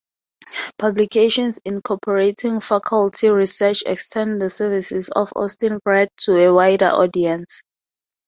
Publications incorporating faculty research extend the services of Austin Grad to a wider audience.